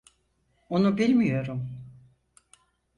Onu bilmiyorum.